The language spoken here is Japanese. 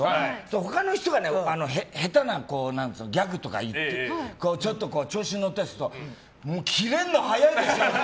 他の人が下手なギャグとか言ってちょっと調子に乗ったりするともうキレるの早いですよ。